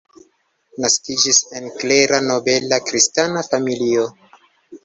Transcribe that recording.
Naskiĝis en klera nobela kristana familio.